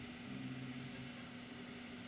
আমি তাকে হারানোর ঝুঁকি নিতে চাই না।